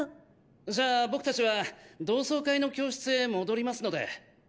じゃあ僕達は同窓会の教室へ戻りますので。